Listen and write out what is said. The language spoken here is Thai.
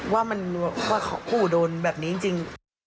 ว่าอู่โดนแบบนี้จริง